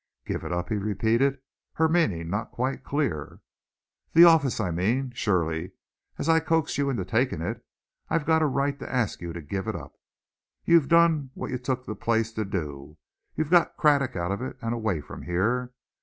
"Give it up?" he repeated, her meaning not quite clear. "The office, I mean. Surely, as I coaxed you into taking it, I've got a right to ask you to give it up. You've done what you took the place to do, you've got Craddock out of it and away from here.